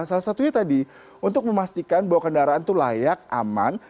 salah satunya tadi untuk memastikan bahwa kendaraan itu layak aman